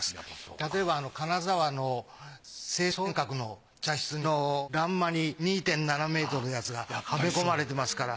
例えば金沢の成巽閣の茶室の欄間に２．７メートルのやつがはめ込まれていますから。